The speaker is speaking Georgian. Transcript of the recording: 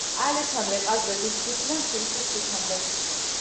ალექსანდრე ყაზბეგის ქუჩიდან თბილისის ქუჩამდე.